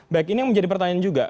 baik ini yang menjadi pertanyaan juga